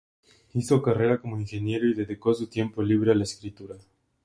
Hizo carrera como ingeniero, y dedicó su tiempo libre a la escritura.